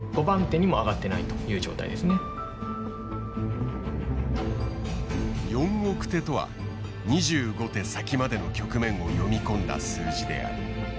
４億手とは２５手先までの局面を読み込んだ数字である。